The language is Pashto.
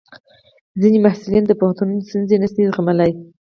ځینې محصلین د پوهنتون ستونزې نشي زغملی.